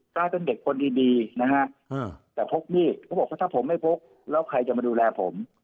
กลายเป็นเด็กคนดีนะฮะแต่พกมีดเขาบอกว่าถ้าผมไม่พกแล้วใครจะมาดูแลผม